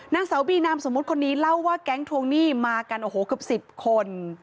นางสาวบีนามสมมุติคนนี้เล่าว่าแก๊งทวงหนี้มากันโอ้โหเกือบ๑๐คน